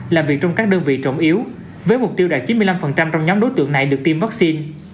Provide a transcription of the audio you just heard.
làm việc trong các đơn vị trọng yếu với mục tiêu đạt chín mươi năm trong nhóm đối tượng này được tiêm vaccine